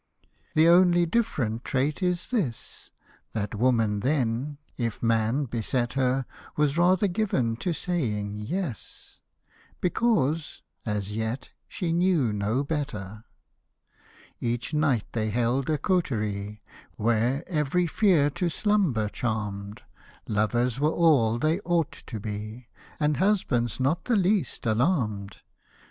The only different trait is this, That woman then, if man beset her, Was rather given to saying " yes," Because, — as yet, she knew no better. Hosted by Google 74 KARLY POEMS, BALLADS, AND SONGS Each night they held a coterie, Where, every fear to slumber charmed, Lovers were all they ought to be, And husbands not the least alarmed.